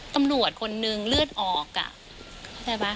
กำโหลดคนหนึ่งเลือดออกอะ